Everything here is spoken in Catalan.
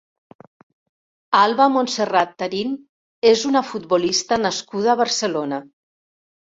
Alba Montserrat Tarín és una futbolista nascuda a Barcelona.